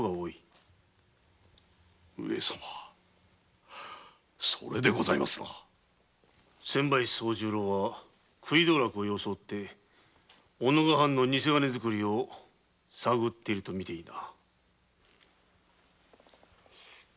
上様それでございますな千林惣十郎は食い道楽を装って己が藩のニセ金づくりを探っているとみていいな。